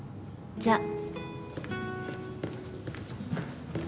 じゃあ。